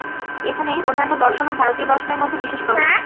এখানেই অন্যান্য দর্শন ও ভারতীয় দর্শনের মধ্যে বিশেষ প্রভেদ।